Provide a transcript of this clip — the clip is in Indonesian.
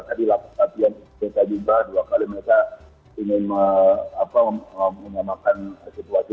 tadi latihan desa juga dua kali mereka ingin menyamakan situasi